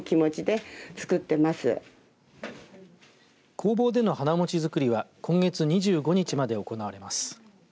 工房での花もち作りは今月２５日まで行われます。